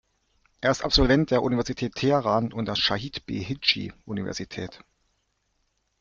Er ist Absolvent der Universität Teheran und der Schahid-Beheschti-Universität.